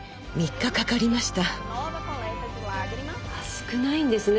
少ないんですね